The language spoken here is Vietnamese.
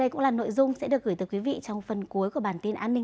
hẹn gặp lại